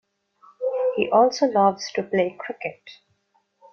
He also loves to play cricket.